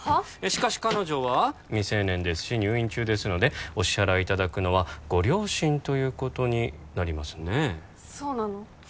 しかし彼女は未成年ですし入院中ですのでお支払いいただくのはご両親ということになりますねそうなの？